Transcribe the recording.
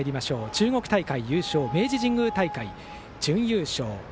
中国大会優勝明治神宮大会準優勝。